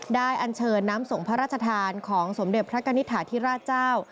อันเชิญน้ำส่งพระราชทานของสมเด็จพระกณิตฐาธิราชเจ้า